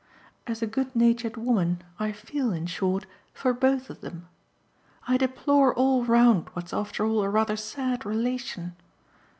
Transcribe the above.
As a good natured woman I feel in short for both of them. I deplore all round what's after all a rather sad relation.